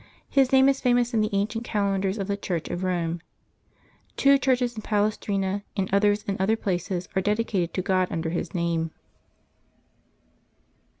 His name is famous in the ancient calendars of the Church of Rome. Two churches in Palestrina and others in other places are dedicated to God under his name.